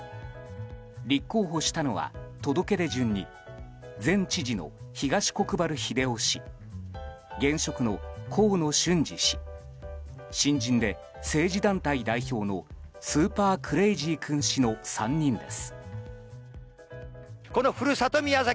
立候補したのは届け出順に前知事の東国原英夫氏現職の河野俊嗣氏新人で政治団体代表のスーパークレイジー君氏の３人です。